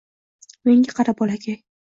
— Menga qara, bolakay